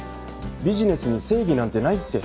ビジネスに正義なんてないって。